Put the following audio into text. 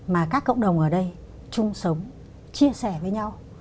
mà các cộng đồng ở đây chung sống chia sẻ với nhau